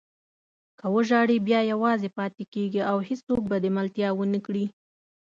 که وژاړې بیا یوازې پاتې کېږې او هېڅوک به دې ملتیا ونه کړي.